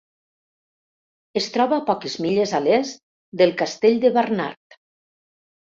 Es troba a poques milles a l'est del castell de Barnard.